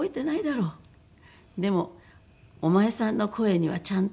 「でもお前さんの声にはちゃんと」。